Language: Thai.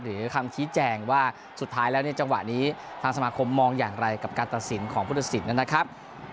หรือคำชี้แจงว่าสุดท้ายแล้วในจังหวะนี้ทางสมาคมมองอย่างไรกับการตัดสินของผู้ตัดสินนะครับ